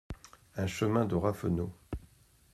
un chemin de Raffenot